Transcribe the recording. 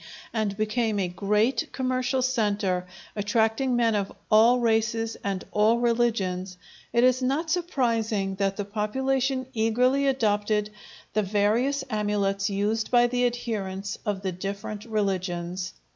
and became a great commercial centre, attracting men of all races and all religions, it is not surprising that the population eagerly adopted the various amulets used by the adherents of the different religions.